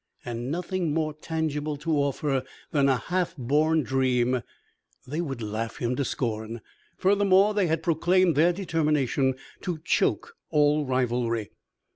And with nothing more tangible to offer than a half born dream, they would laugh him to scorn. Furthermore, they had proclaimed their determination to choke all rivalry.